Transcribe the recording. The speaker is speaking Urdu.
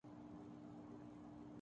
بہت جلد مسلمان اس دنیا پر قابض ہوں گے